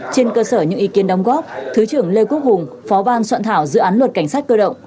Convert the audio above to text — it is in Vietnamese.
trên cơ sở những ý kiến đóng góp thứ trưởng lê quốc hùng phó ban soạn thảo dự án luật cảnh sát cơ động